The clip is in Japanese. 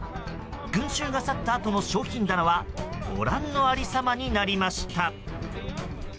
群衆が去ったあとの商品棚はご覧の有り様になりました。